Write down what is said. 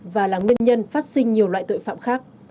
và là nguyên nhân phát sinh nhiều loại tội phạm khác